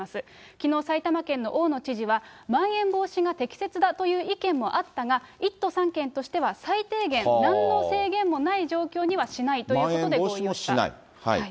きのう、埼玉県の大野知事は、まん延防止が適切だという意見もあったが、１都３県としては最低限なんの制限もない状況にはしないというこまん延防止もしない。